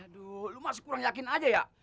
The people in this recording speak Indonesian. aduh lu masih kurang yakin aja ya